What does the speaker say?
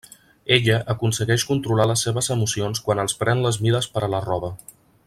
Ella aconsegueix controlar les seves emocions quan els pren les mides per a la roba.